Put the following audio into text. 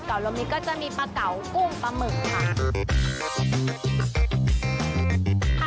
กล่าวลงมิดก็จะมีปลาเก๋ากุ้งปลาหมึกค่ะ